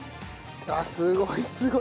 あっすごいすごい。